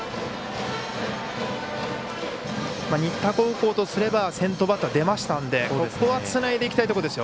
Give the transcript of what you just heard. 新田高校とすれば先頭バッター出ましたんでここはつないでいきたいところですよ。